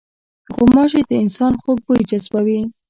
غوماشې د انسان خوږ بوی جذبوي.